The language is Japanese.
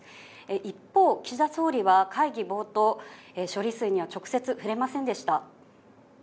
一方、岸田総理は会議冒頭、処理水には直接触れませんでした。